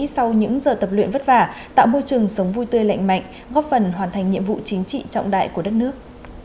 sau những giờ tập luyện vất vả tạo môi trường sống vui tươi lạnh mạnh góp phần hoàn thành nhiệm vụ chính trị trọng đại của đất nước